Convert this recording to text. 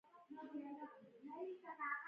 تودوخه د افغانستان د چاپیریال د مدیریت لپاره مهم دي.